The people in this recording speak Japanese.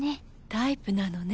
タイプなのね。